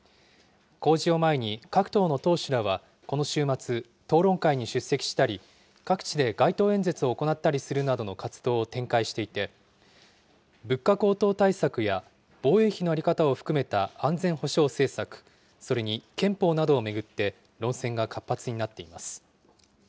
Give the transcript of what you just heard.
公示を前に各党の党首らは、この週末、討論会に出席したり、各地で街頭演説を行ったりするなどの活動を展開していて、物価高騰対策や防衛費の在り方を含めた安全保障政策、それに憲法などを巡って論戦が活発になっています。